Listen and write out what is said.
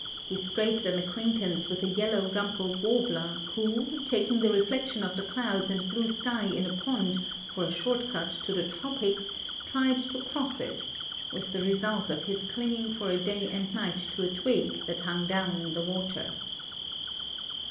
He scraped an acquaintance with a yellow rumpled warbler who, taking the reflection of the clouds and blue sky in a pond for a short cut to the tropics, tried to cross it; with the result of his clinging for a day and night to a twig that hung down in the water.